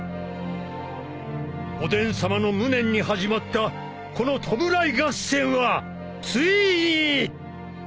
おでんさまの無念に始まったこの弔い合戦はついに！